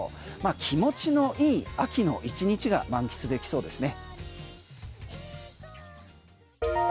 気持ちのいい秋の１日が満喫できそうですね。